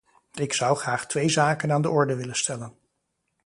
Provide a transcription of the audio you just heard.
Ik zou graag twee zaken aan de orde willen stellen.